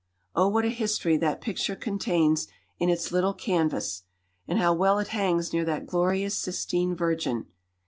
Oh what a history that picture contains in its little canvass; and how well it hangs near that glorious Sistine Virgin.